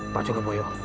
pak cukup boyo